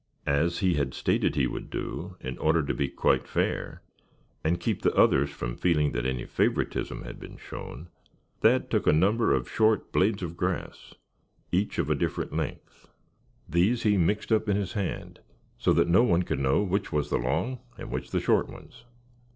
As he had stated he would do, in order to be quite fair, and keep the others from feeling that any favoritism had been shown, Thad took a number of short blades of grass, each of a different length. These he mixed up in his hand, so that no one could know which was the long, and which the short ones.